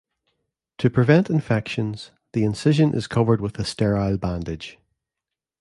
To prevent infections, the incision is covered with a sterile bandage.